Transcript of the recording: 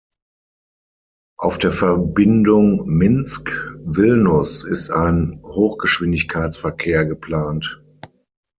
Auf der Verbindung Minsk–Vilnus ist ein Hochgeschwindigkeitsverkehr geplant.